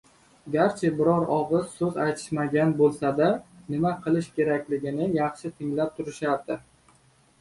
Garchi biror ogʻiz soʻz aytishmagan boʻlsa-da, nima qilish kerakligini yaxshi anglab turishardi.